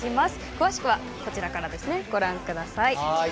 詳しくはこちらからご覧ください。